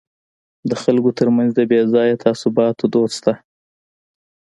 د خلکو ترمنځ د بې ځایه تعصباتو دود شته.